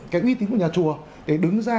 cái uy tín của nhà chùa để đứng ra